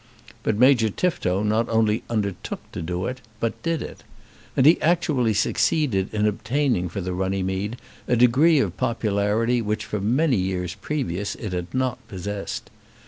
But Major Tifto not only undertook to do it, but did it. And he actually succeeded in obtaining for the Runnymede a degree of popularity which for many years previous it had not possessed.